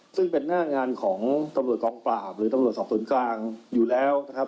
ซึ่งเป็นหน้างานของตำรวจกองปราบหรือตำรวจสอบศูนย์กลางอยู่แล้วนะครับ